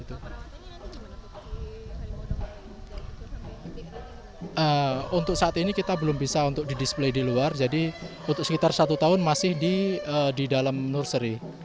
untuk saat ini kita belum bisa untuk didisplay di luar jadi untuk sekitar satu tahun masih di dalam nursery